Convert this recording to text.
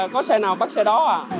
có xe nào bắt xe đó à